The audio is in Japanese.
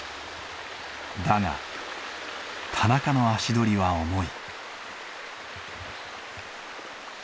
だが田中の足取りは重い。